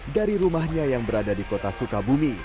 dari rumahnya yang berada di kota sukabumi